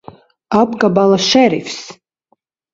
Apgabala šerifs!